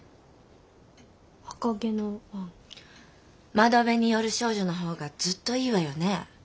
「窓辺に倚る少女」の方がずっといいわよね？